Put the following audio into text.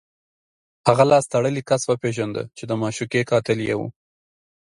هغه لاس تړلی کس وپېژنده چې د معشوقې قاتل یې و